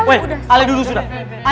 woi alih dulu sudah